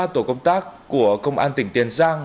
một mươi ba tổ công tác của công an tỉnh tiền giang